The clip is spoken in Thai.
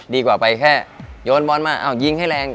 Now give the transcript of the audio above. ดีกว่าไปแค่โยนบอลมาอ้าวยิงให้แรง